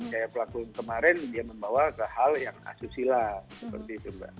kayak pelaku kemarin dia membawa ke hal yang asusila seperti itu mbak